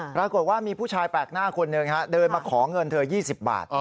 ปรากฏว่ามีผู้ชายแปลกหน้าคนหนึ่งเดินมาขอเงินเธอ๒๐บาท